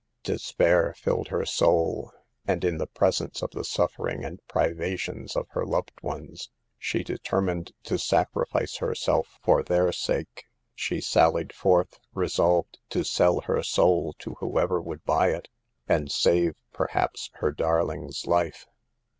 Despair filled her soul, and in the presence of the suffering and privations of her loved ones, she determined to sacrifice herself for their sake. She sallied forth, re solved to sell her soul to whoever would buy; and save, perhaps, her darling's life.